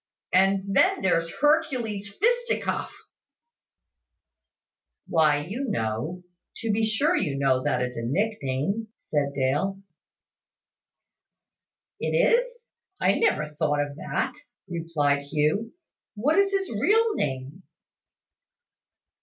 And then there's Hercules Fisticuff " "Why, you know to be sure you know that is a nick name?" said Dale. "Is it? I never thought of that," replied Hugh. "What is his real name?"